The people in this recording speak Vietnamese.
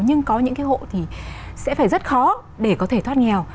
nhưng có những cái hộ thì sẽ phải rất khó để có thể thoát nghèo